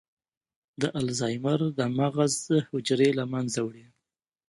د الزایمر د مغز حجرې له منځه وړي.